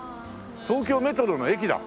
東京メトロの駅だ。